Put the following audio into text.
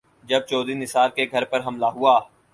جب چوہدری نثار کے گھر پر حملہ ہوا۔